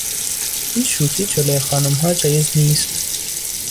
این شوخی جلوی خانمها جایز نیست.